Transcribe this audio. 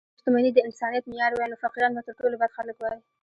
که شتمني د انسانیت معیار وای، نو فقیران به تر ټولو بد خلک وای.